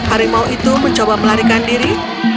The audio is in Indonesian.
harimau itu mencoba melarikan diri